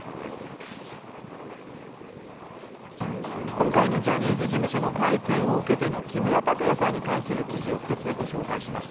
今回のジャニーズ事務所の会見を受けての木村拓哉さんの記事を２つ紹介します。